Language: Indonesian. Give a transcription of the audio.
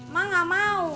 mak enggak mau